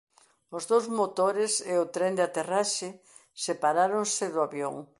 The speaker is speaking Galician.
Os dous motores e o tren de aterraxe separáronse do avión.